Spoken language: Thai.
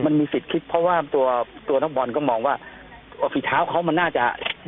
มันมีสิทธิ์คิดเพราะว่าตัวตัวนักบอลก็มองว่าฝีเท้าเขามันน่าจะ